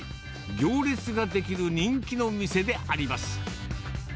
行列が出来る人気の店であります。